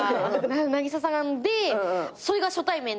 渚さんでそれが初対面で。